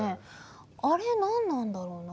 あれ、何なんだろうな？